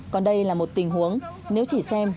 còn đây là một tình huống nếu chỉ xem